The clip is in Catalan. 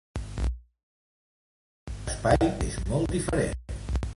Afortunadament, l'espai és molt diferent.